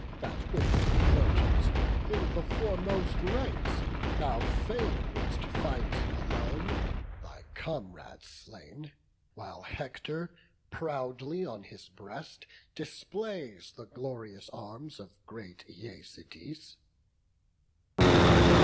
That with the Trojans, in the foremost ranks, Thou fain wouldst fight alone, thy comrade slain, While Hector proudly on his breast displays The glorious arms of great Æacides."